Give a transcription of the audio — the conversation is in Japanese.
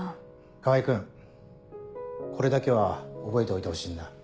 川合君これだけは覚えておいてほしいんだ。